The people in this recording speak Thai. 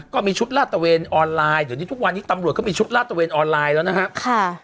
ก็มีชุดลาดตะเวนออนไลน์เดี๋ยวนี้ทุกวันนี้ตำรวจก็มีชุดลาดตะเวนออนไลน์แล้วนะครับ